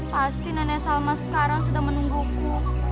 pasti nenek salma sekarang sedang menunggumu